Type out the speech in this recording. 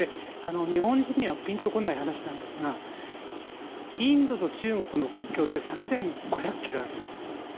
日本人にはピンと来ない話なんですがインドと中国の国境って３５００ｋｍあるんです。